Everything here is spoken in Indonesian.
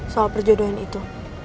soal perjodohan itu